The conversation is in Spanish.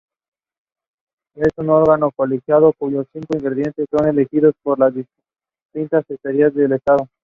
Es un órgano colegiado, cuyos cinco integrantes son elegidos por distintas entidades del Estado.